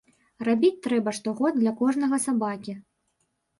Рабіць трэба штогод для кожнага сабакі.